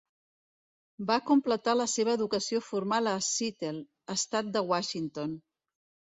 Va completar la seva educació formal a Seattle, estat de Washington.